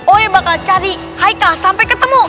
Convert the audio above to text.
oe bakal cari haikal sampai ketemu